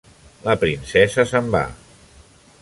La princesa se'n va.